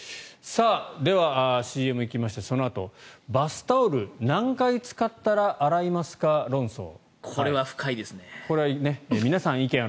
では、ＣＭに行きましてそのあとバスタオル何回使ったら洗いますか論争。